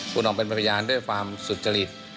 คุณออกเป็นพยานด้วยความสุจริต